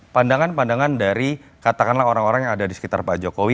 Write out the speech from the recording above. pandangan pandangan dari katakanlah orang orang yang ada di sekitar pak jokowi